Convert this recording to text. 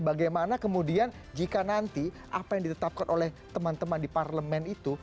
bagaimana kemudian jika nanti apa yang ditetapkan oleh teman teman di parlemen itu